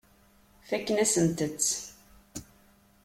Fakken-asent-tt.